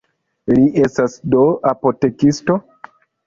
Li estas do apotekisto?